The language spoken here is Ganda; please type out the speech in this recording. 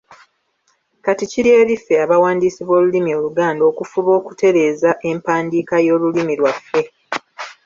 Kati kiri eri ffe abawandiisi b’olulimi Oluganda okufuba okutereeza empandiika y’olulimi lwaffe.